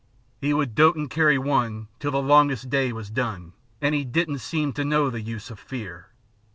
'E would dot an' carry one Till the longest day was done; An' 'e didn't seem to know the use o' fear.